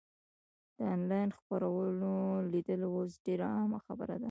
د انلاین خپرونو لیدل اوس ډېره عامه خبره ده.